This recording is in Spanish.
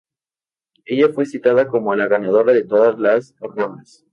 Ella fue citada como la ganadora de todas las rondas.